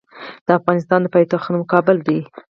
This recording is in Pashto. د افغانستان د پايتخت نوم کابل دی.